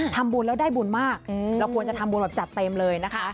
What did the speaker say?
ทำบุญแล้วได้บุญมากเราควรจะทำบุญแบบจัดเต็มเลยนะคะ